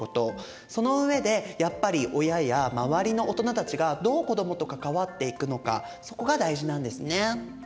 そのうえでやっぱり親や周りの大人たちがどう子どもと関わっていくのかそこが大事なんですね。